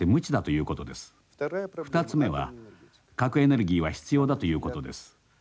２つ目は核エネルギーは必要だということです。